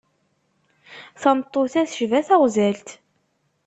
Tameṭṭut-a tecba taɣzalt.